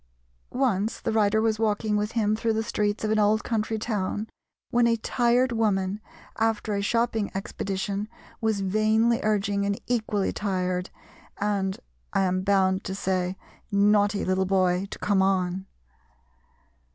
Once the writer was walking with him through the streets of an old country town when a tired woman after a shopping expedition was vainly urging an equally tired, and, I am bound to say, naughty little boy to "come on."